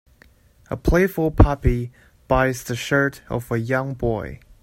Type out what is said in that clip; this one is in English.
A playful puppy bites the shirt of a young boy.